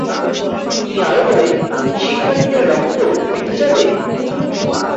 তিনি আরও বলেন, শিক্ষার্থীদের রক্ত বৃথা যাবে?